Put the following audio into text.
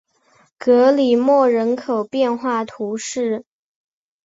格里莫人口变化图示